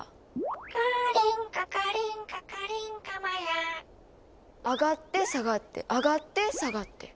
「カーリンカカリンカカリンカマヤ」上がって下がって上がって下がって。